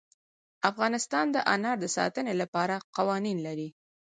افغانستان د انار د ساتنې لپاره قوانین لري.